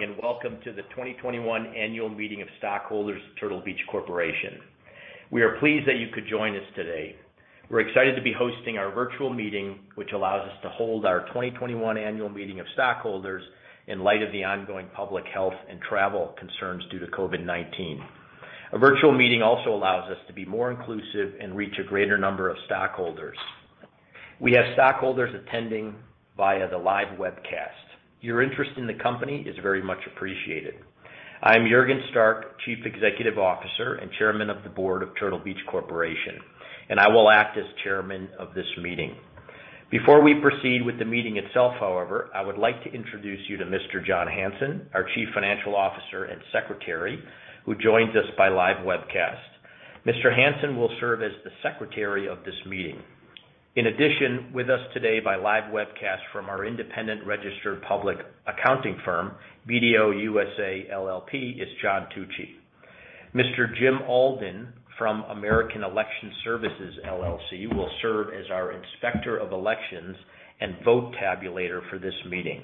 Morning and welcome to the 2021 Annual Meeting of Stockholders of Turtle Beach Corporation. We are pleased that you could join us today. We're excited to be hosting our virtual meeting, which allows us to hold our 2021 Annual Meeting of Stockholders in light of the ongoing public health and travel concerns due to COVID-19. A virtual meeting also allows us to be more inclusive and reach a greater number of stockholders. We have stockholders attending via the live webcast. Your interest in the company is very much appreciated. I am Juergen Stark, Chief Executive Officer and Chairman of the Board of Turtle Beach Corporation, and I will act as Chairman of this meeting. Before we proceed with the meeting itself, however, I would like to introduce you to Mr. John Hanson, our Chief Financial Officer and Secretary, who joins us by live webcast. Mr. Hanson will serve as the Secretary of this meeting. In addition, with us today by live webcast from our independent registered public accounting firm, BDO USA, LLP, is John Tucci. Mr. Jim Alden from American Election Services, LLC will serve as our Inspector of Elections and Vote Tabulator for this meeting.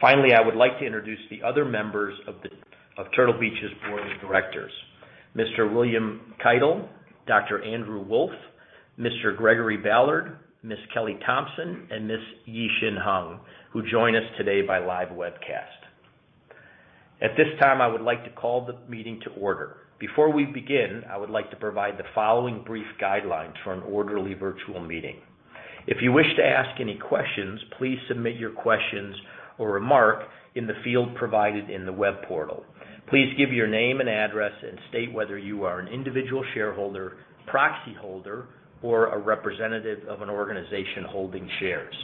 Finally, I would like to introduce the other members of Turtle Beach's Board of Directors: Mr. William Keitel, Dr. Andrew Wolf, Mr. Gregory Ballard, Ms. Kelly Thompson, and Ms. Yie-Hsin Hung, who join us today by live webcast. At this time, I would like to call the meeting to order. Before we begin, I would like to provide the following brief guidelines for an orderly virtual meeting. If you wish to ask any questions, please submit your questions or remark in the field provided in the web portal. Please give your name and address and state whether you are an individual shareholder, proxy holder, or a representative of an organization holding shares.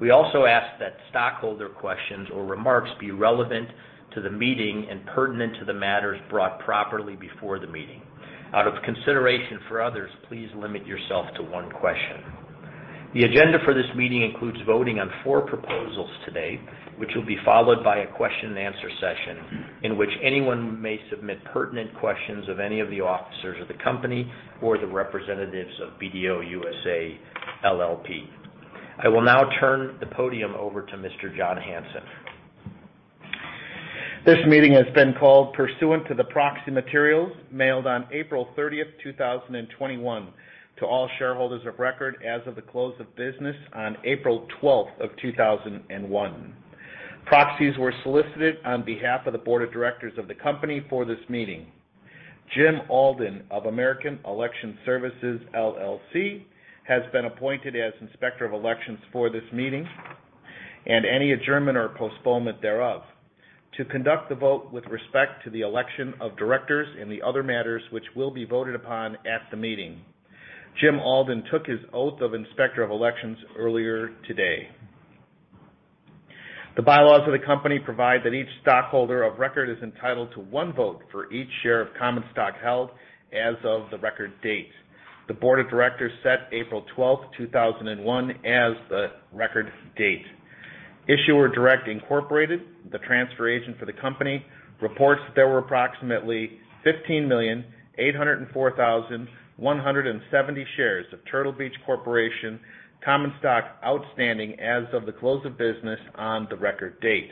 We also ask that stockholder questions or remarks be relevant to the meeting and pertinent to the matters brought properly before the meeting. Out of consideration for others, please limit yourself to one question. The agenda for this meeting includes voting on four proposals today, which will be followed by a question-and-answer session in which anyone may submit pertinent questions of any of the officers of the company or the representatives of BDO USA LLP. I will now turn the podium over to Mr. John Hanson. This meeting has been called pursuant to the proxy materials mailed on April 30, 2021, to all shareholders of record as of the close of business on April 12, 2021. Proxies were solicited on behalf of the Board of Directors of the company for this meeting. Jim Alden of American Election Services, LLC has been appointed as Inspector of Elections for this meeting and any adjournment or postponement thereof. To conduct the vote with respect to the election of directors and the other matters which will be voted upon at the meeting, Jim Alden took his oath of Inspector of Elections earlier today. The bylaws of the company provide that each stockholder of record is entitled to one vote for each share of common stock held as of the record date. The Board of Directors set April 12, 2021, as the record date. Issuer Direct Corporation, the transfer agent for the company, reports that there were approximately 15,804,170 shares of Turtle Beach Corporation common stock outstanding as of the close of business on the record date.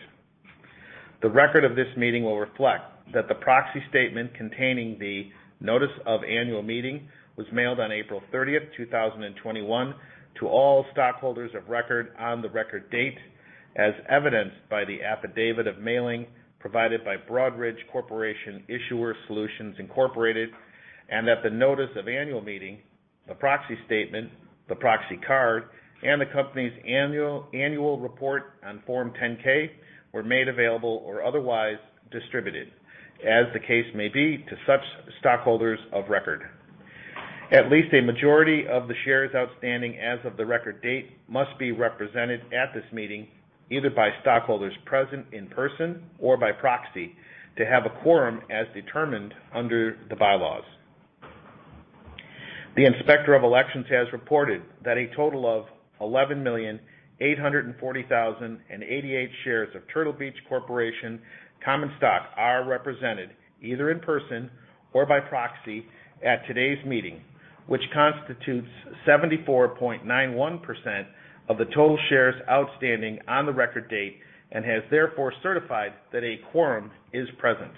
The record of this meeting will reflect that the proxy statement containing the notice of annual meeting was mailed on April 30, 2021, to all stockholders of record on the record date as evidenced by the affidavit of mailing provided by Broadridge Corporate Issuer Solutions, Inc. and that the notice of annual meeting, the proxy statement, the proxy card, and the company's annual report on Form 10-K were made available or otherwise distributed, as the case may be, to such stockholders of record. At least a majority of the shares outstanding as of the record date must be represented at this meeting either by stockholders present in person or by proxy to have a quorum as determined under the bylaws. The Inspector of Elections has reported that a total of 11,840,088 shares of Turtle Beach Corporation common stock are represented either in person or by proxy at today's meeting, which constitutes 74.91% of the total shares outstanding on the record date and has therefore certified that a quorum is present.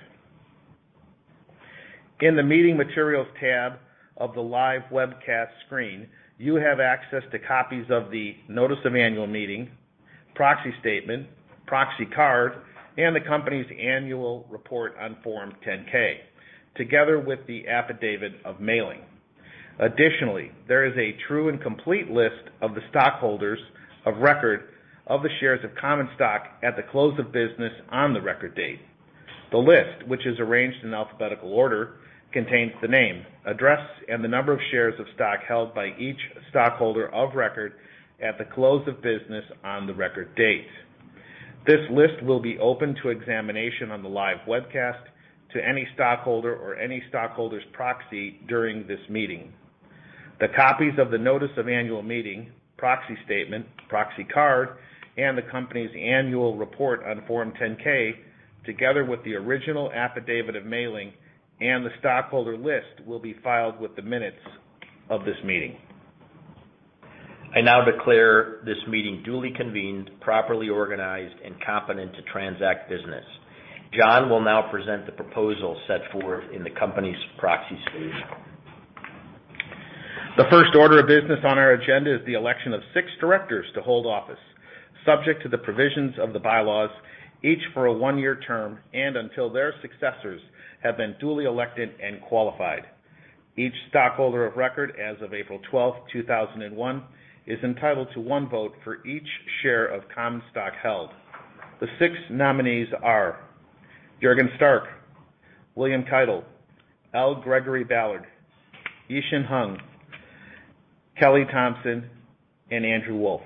In the meeting materials tab of the live webcast screen, you have access to copies of the notice of annual meeting, proxy statement, proxy card, and the company's annual report on Form 10-K, together with the affidavit of mailing. Additionally, there is a true and complete list of the stockholders of record of the shares of common stock at the close of business on the record date. The list, which is arranged in alphabetical order, contains the name, address, and the number of shares of stock held by each stockholder of record at the close of business on the record date. This list will be open to examination on the live webcast to any stockholder or any stockholder's proxy during this meeting. The copies of the notice of annual meeting, proxy statement, proxy card, and the company's annual report on Form 10-K, together with the original affidavit of mailing and the stockholder list, will be filed with the minutes of this meeting. I now declare this meeting duly convened, properly organized, and competent to transact business. John will now present the proposal set forth in the company's proxy statement. The first order of business on our agenda is the election of six directors to hold office, subject to the provisions of the bylaws, each for a one-year term and until their successors have been duly elected and qualified. Each stockholder of record as of April 12, 2001, is entitled to one vote for each share of common stock held. The six nominees are Juergen Stark, William Keitel, L. Gregory Ballard, Yie-Hsin Hung, Kelly Thompson, and Andrew Wolf.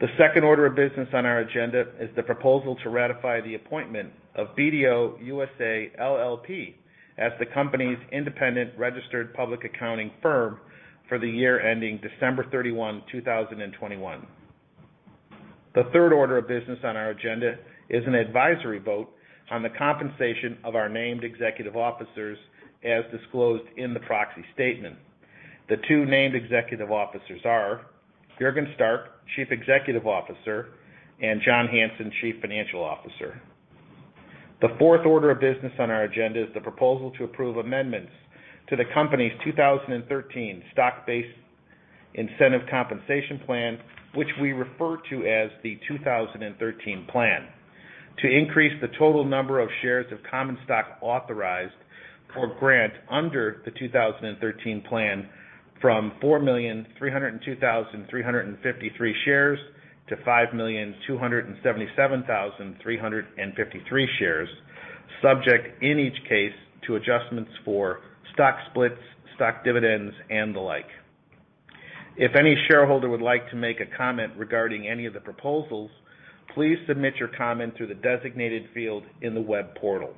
The second order of business on our agenda is the proposal to ratify the appointment of BDO USA, LLP as the company's independent registered public accounting firm for the year ending December 31, 2021. The third order of business on our agenda is an advisory vote on the compensation of our named executive officers as disclosed in the proxy statement. The two named executive officers are Juergen Stark, Chief Executive Officer, and John Hanson, Chief Financial Officer. The fourth order of business on our agenda is the proposal to approve amendments to the company's 2013 Stock-Based Incentive Compensation Plan, which we refer to as the 2013 plan, to increase the total number of shares of common stock authorized for grant under the 2013 Plan from 4,302,353 shares to 5,277,353 shares, subject in each case to adjustments for stock splits, stock dividends, and the like. If any shareholder would like to make a comment regarding any of the proposals, please submit your comment through the designated field in the web portal.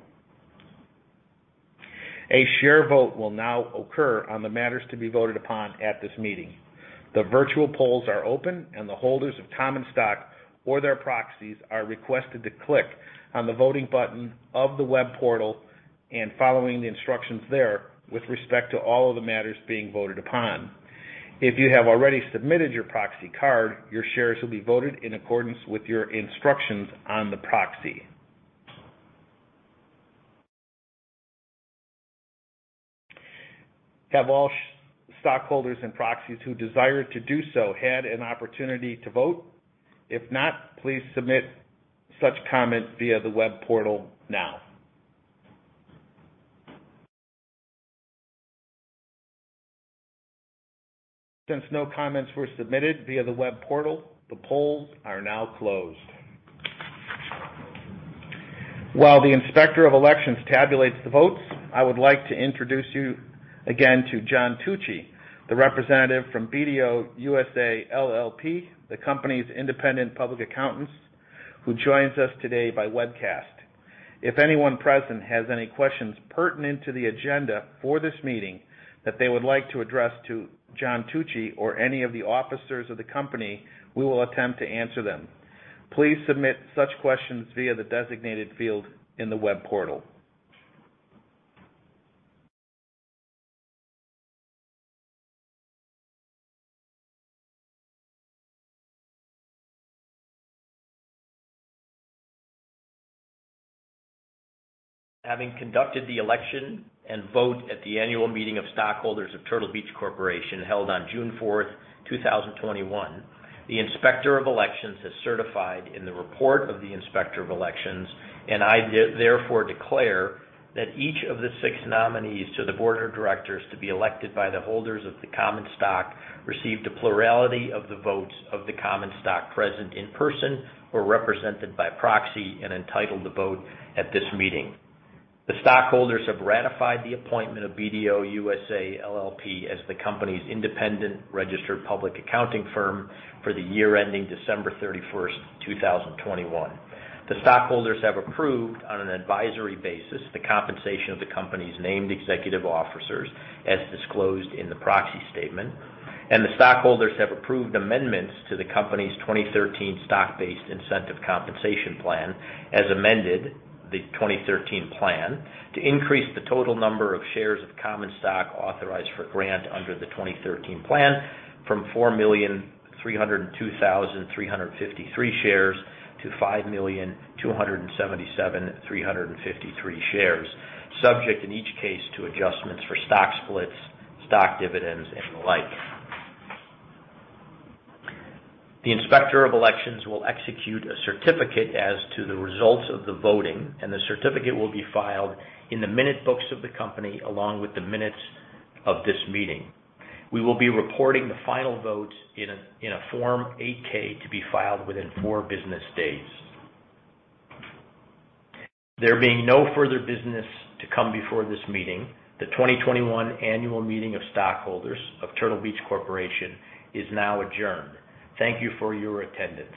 A share vote will now occur on the matters to be voted upon at this meeting. The virtual polls are open, and the holders of common stock or their proxies are requested to click on the voting button of the web portal and following the instructions there with respect to all of the matters being voted upon. If you have already submitted your proxy card, your shares will be voted in accordance with your instructions on the proxy. Have all stockholders and proxies who desire to do so had an opportunity to vote? If not, please submit such comment via the web portal now. Since no comments were submitted via the web portal, the polls are now closed. While the Inspector of Elections tabulates the votes, I would like to introduce you again to John Tucci, the representative from BDO USA, LLP, the company's independent public accountants, who joins us today by webcast. If anyone present has any questions pertinent to the agenda for this meeting that they would like to address to John Tucci or any of the officers of the company, we will attempt to answer them. Please submit such questions via the designated field in the web portal. Having conducted the election and vote at the annual meeting of stockholders of Turtle Beach Corporation held on June 4, 2021, the Inspector of Elections has certified in the report of the Inspector of Elections, and I therefore declare that each of the six nominees to the Board of Directors to be elected by the holders of the common stock received a plurality of the votes of the common stock present in person or represented by proxy and entitled to vote at this meeting. The stockholders have ratified the appointment of BDO USA, LLP as the company's independent registered public accounting firm for the year ending December 31, 2021. The stockholders have approved on an advisory basis the compensation of the company's named executive officers as disclosed in the Proxy Statement, and the stockholders have approved amendments to the company's 2013 Stock-Based Incentive Compensation Plan as amended, the 2013 Plan to increase the total number of shares of common stock authorized for grant under the 2013 Plan from 4,302,353 shares to 5,277,353 shares, subject in each case to adjustments for stock splits, stock dividends, and the like. The Inspector of Elections will execute a certificate as to the results of the voting, and the certificate will be filed in the minute books of the company along with the minutes of this meeting. We will be reporting the final votes in a Form 8-K to be filed within four business days. There being no further business to come before this meeting, the 2021 annual meeting of stockholders of Turtle Beach Corporation is now adjourned. Thank you for your attendance.